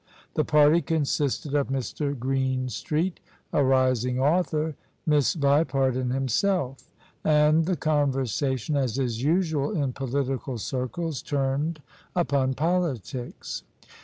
The party consisted of Mr. Greenstreet (a rising author), Miss Vipart and himself: and the conversation, as is usual in political circles, turned upon politics.